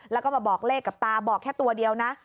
แล้วก็มาบอกเลขกับตาบอกแค่ตัวเดียวนะ